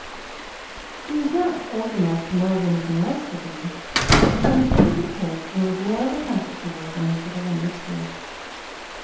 He was not old enough to know of anything else to do, so he did what he could, and was more of a comfort to her than he could have understood.